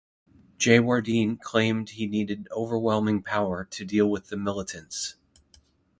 Jayewardene claimed he needed overwhelming power to deal with the militants.